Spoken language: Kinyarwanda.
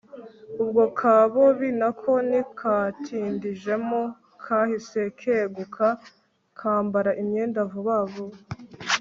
ubwo ka bobi nako ntikatindijemo kahise keguka kambara imyenda vuba vuba